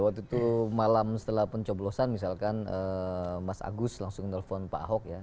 waktu itu malam setelah pencoblosan misalkan mas agus langsung nelfon pak ahok ya